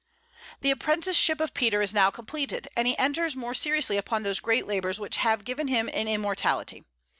The apprenticeship of Peter is now completed, and he enters more seriously upon those great labors which have given him an immortality.